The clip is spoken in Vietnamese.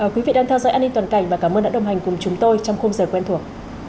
quý vị đang theo dõi an ninh toàn cảnh và cảm ơn đã đồng hành cùng chúng tôi trong khung giờ quen thuộc